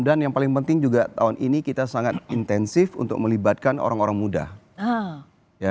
dan yang paling penting juga tahun ini kita sangat intensif untuk melibatkan orang orang muda